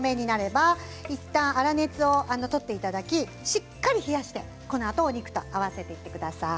いったん粗熱を取っていただきしっかり冷やして、このあとお肉と合わせていってください。